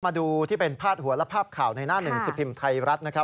มาดูที่เป็นพาดหัวและภาพข่าวในหน้าหนึ่งสิบพิมพ์ไทยรัฐนะครับ